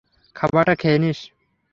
খাবারটা খেয়ে নিস।